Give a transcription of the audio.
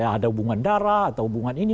ada hubungan darah atau hubungan ini